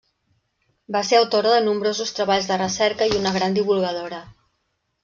Va ser autora de nombrosos treballs de recerca i una gran divulgadora.